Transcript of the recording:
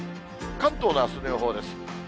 関東のあすの予報です。